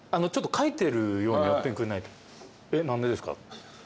えっ何でですか？